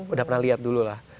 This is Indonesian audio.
udah pernah lihat dulu lah